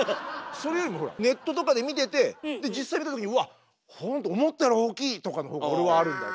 それよりもほらネットとかで見てて実際見たときに「うわっ思ったより大きい」とかのほうが俺はあるんだ。